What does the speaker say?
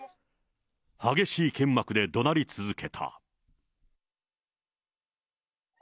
激しい剣幕でどなり続けた。